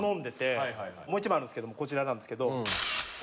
もう一枚あるんですけどもこちらなんですけど。